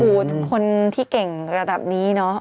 ปรูดคนที่เก่งระดับนี้